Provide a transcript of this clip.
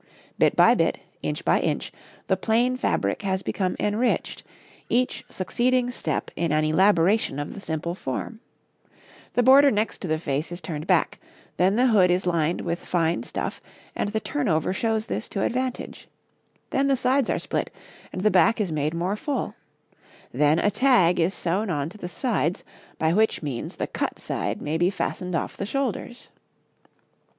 Bit by bit, inch by inch, the plain fabric has become enriched, each succeeding step in an elaboration of the simple form; the border next to the face is turned back, then the hood is lined with fine stuff and the turnover shows this to advantage; then the sides are split and the back is made more full; then a tag is sewn on to the sides by which means the cut side may be fastened off the shoulders.